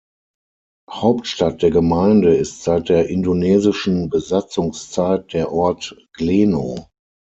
Hauptstadt der Gemeinde ist seit der indonesischen Besatzungszeit der Ort Gleno.